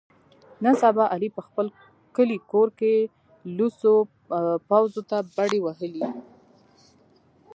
نن سبا علي په خپل کلي کور کې لوڅو پوڅو ته بډې وهلې دي.